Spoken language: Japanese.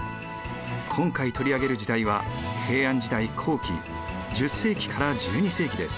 今回取り上げる時代は平安時代後期１０世紀から１２世紀です。